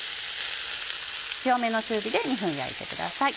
強めの中火で２分焼いてください。